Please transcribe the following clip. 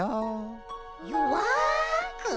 よわく？